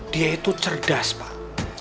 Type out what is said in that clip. dia itu cerdas pak